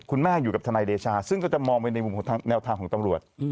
คุณแม่อยู่กับธนัยเดชาซึ่งก็จะมองไปในมุมแนวทางของตำรวจ